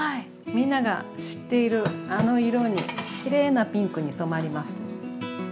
みんなが知っているあの色にきれいなピンクに染まります。